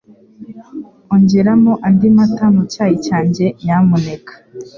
Ongeramo andi mata mucyayi cyanjye, nyamuneka.